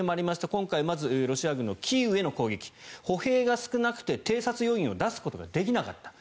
今回、ロシア軍のキーウへの攻撃歩兵が少なくて、偵察要員を出すことができなかった。